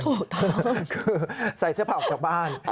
คือใส่เสื้อเผ่าออกจากบ้าน